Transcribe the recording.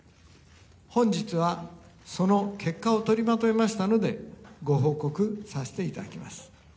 本日はその結果を取りまとめましたのでご報告させていただきます。